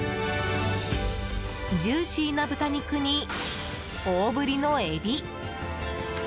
ジューシーな豚肉に大ぶりのエビ。